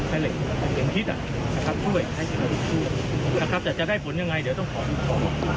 เหล็กอย่างทิศครับช่วยครับแต่จะได้ผลยังไงเดี๋ยวต้องขอ